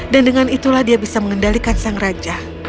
dan dengan itulah dia bisa mengendalikan sang raja